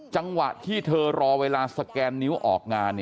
จังหวะที่เธอรอเวลาสแกนนิ้วออกงาน